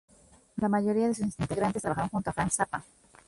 La mayoría de sus integrantes trabajaron junto a Frank Zappa.